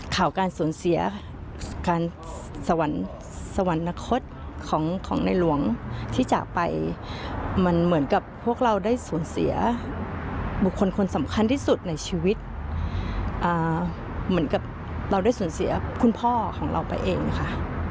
ข่าวการสูญเสียการสวรรคตของในหลวงที่จากไปมันเหมือนกับพวกเราได้สูญเสียบุคคลคนสำคัญที่สุดในชีวิตเหมือนกับเราได้สูญเสียคุณพ่อของเราไปเองค่ะ